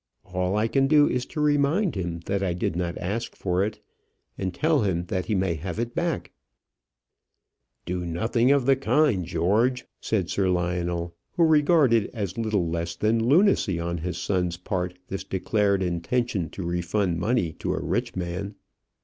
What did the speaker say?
All I can do is to remind him that I did not ask for it, and tell him that he may have it back again." "Do nothing of the kind, George," said Sir Lionel, who regarded as little less than lunacy on his son's part this declared intention to refund money to a rich man.